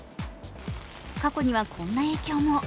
過去にはこんな影響も。